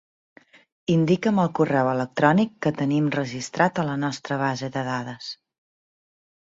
Indica'm el correu electrònic que tenim registrat a la nostra base de dades.